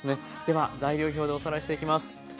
では材料表でおさらいしていきます。